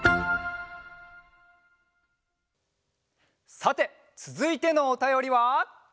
さてつづいてのおたよりは。